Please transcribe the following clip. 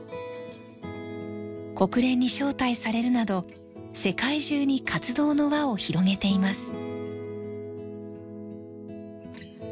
国連に招待されるなど世界中に活動の輪を広げています。